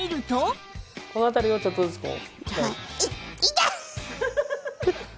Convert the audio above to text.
この辺りをちょっとずつこう。